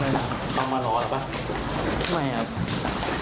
ไม่นะต้องมารอหรอเปล่าไม่อ่ะ